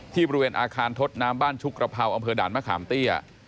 บริเวณอาคารทดน้ำบ้านชุกกระเภาอำเภอด่านมะขามเตี้ย